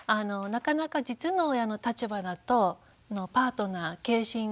なかなか実の親の立場だとパートナー継親